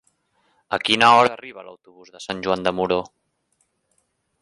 A quina hora arriba l'autobús de Sant Joan de Moró?